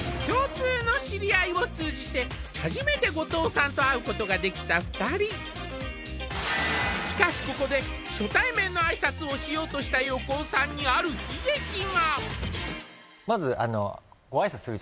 共通の知り合いを通じて初めて後藤さんと会うことができた２人しかしここで初対面の挨拶をしようとした横尾さんにある悲劇が！